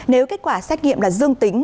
nếu kết quả xét nghiệm là dương tính